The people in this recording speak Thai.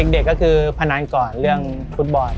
เด็กก็คือพนันก่อนเรื่องฟุตบอล